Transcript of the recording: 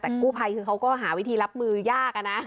แต่กู้ภัยคือเขาก็หาวิธีรับมือยากอะนะ